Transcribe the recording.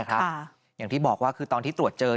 อย่างที่บอกว่าคือตอนที่ตรวจเจอ